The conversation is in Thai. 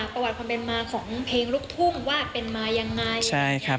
ประวัติความเป็นมาของเพลงลูกทุ่งว่าเป็นมายังไงใช่ครับ